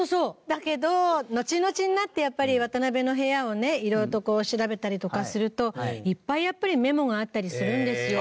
だけどのちのちになってやっぱり渡辺の部屋をね色々とこう調べたりとかするといっぱいやっぱりメモがあったりするんですよ。